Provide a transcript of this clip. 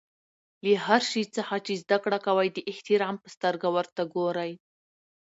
له هر شي څخه چي زدکړه کوى؛ د احترام په سترګه ورته ګورئ!